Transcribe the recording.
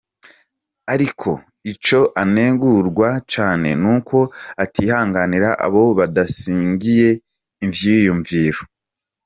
Ariko ico anegurwa cane, n'uko atihanganira abo badasangiye ivyiyumviro.